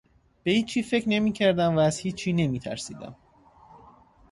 به هیچی فکر نمیکردم و از هیچی نمیترسیدم